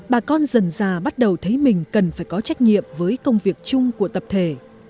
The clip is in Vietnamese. bà con dần già bắt đầu thấy mình cần phải có trách nhiệm với công việc chung của tập thể